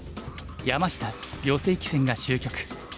山下・余正麒戦が終局。